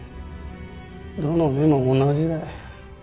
どの目も同じだ。